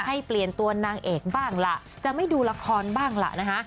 ให้เปลี่ยนตัวนางเอกบ้างล่ะจะไม่ดูละครบ้างล่ะนะคะ